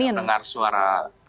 saya tidak dengar suara